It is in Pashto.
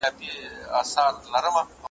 زر په اور کي هم نه خرابېږي ,